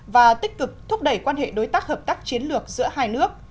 và tích cực thúc đẩy quan hệ đối tác hợp tác chiến lược giữa hai nước